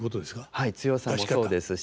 はい強さもそうですし。